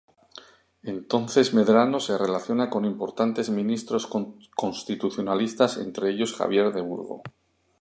Entonces Medrano se relaciona con importantes ministros constitucionalistas, entre ellos Javier de Burgos.